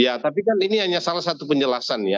ya tapi kan ini hanya salah satu penjelasan ya